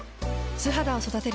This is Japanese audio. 素肌を育てる。